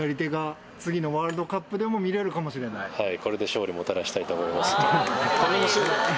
はい。